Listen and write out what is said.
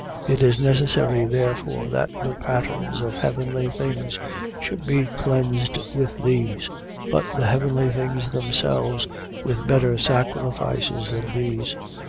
9:23. It is necessary therefore that the patterns of heavenly things should be cleansed with these: but the heavenly things themselves with better sacrifices than these.